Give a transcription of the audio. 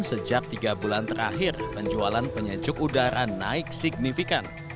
sejak tiga bulan terakhir penjualan penyejuk udara naik signifikan